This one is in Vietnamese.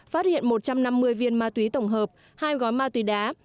phát hiện một trăm năm mươi viên ma túy tổng hợp hai gói ma túy đá